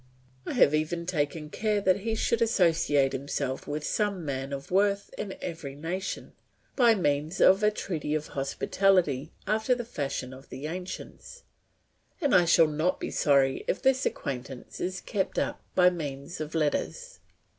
I have even taken care that he should associate himself with some man of worth in every nation, by means of a treaty of hospitality after the fashion of the ancients, and I shall not be sorry if this acquaintance is kept up by means of letters.